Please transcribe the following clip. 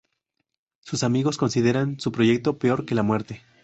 Sus amigos consideran su proyecto peor que la muerte.